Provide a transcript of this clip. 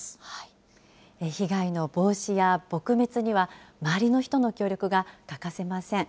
被害の防止や撲滅には、周りの人の協力が欠かせません。